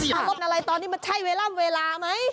เหี้ยตอนนี้มันใช่เวลาเวลาไหม